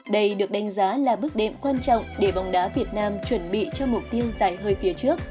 đây được đánh giá là bước đệm quan trọng để bóng đá việt nam chuẩn bị cho mục tiêu dài hơi phía trước